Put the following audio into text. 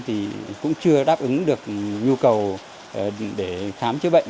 thì cũng chưa đáp ứng được nhu cầu để khám chữa bệnh